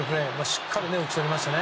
しっかり打ち取りました。